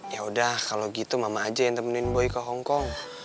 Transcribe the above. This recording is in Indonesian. ya udah kalau gitu mama aja yang temenin boy ke hongkong